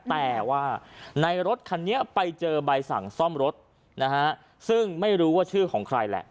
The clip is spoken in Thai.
แต่ว่าในรถคันนี้ไปเจอใบสั่งซ่อมรถนะฮะซึ่งไม่รู้ว่าชื่อของใครแหละ